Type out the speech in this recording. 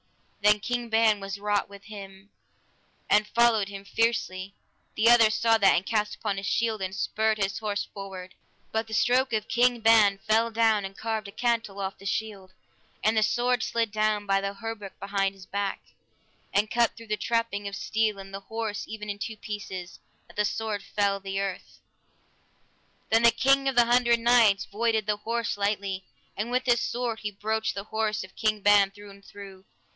Then King Ban was wroth with him, and followed on him fiercely; the other saw that, and cast up his shield, and spurred his horse forward, but the stroke of King Ban fell down and carved a cantel off the shield, and the sword slid down by the hauberk behind his back, and cut through the trapping of steel and the horse even in two pieces, that the sword felt the earth. Then the King of the Hundred Knights voided the horse lightly, and with his sword he broached the horse of King Ban through and through.